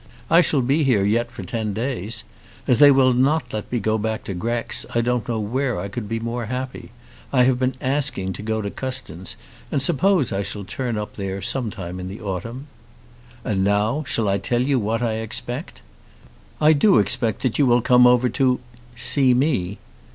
I shall be here yet for ten days. As they will not let me go back to Grex I don't know where I could be more happy. I have been asked to go to Custins, and suppose I shall turn up there some time in the autumn. And now shall I tell you what I expect? I do expect that you will come over to see me.